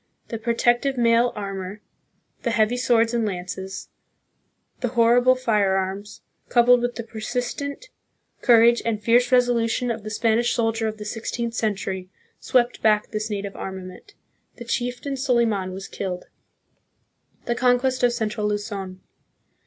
The protect ive mail armor, the heavy swords and lances, the horrible firearms, coupled with the persistent courage and fierce resolution of the Spanish soldier of the sixteenth century, swept back this native armament. The chieftain Soliman was killed. The Conquest of Central Luzon.